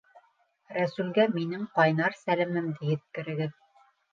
Рәсүлгә минең ҡайнар сәләмемде еткерегеҙ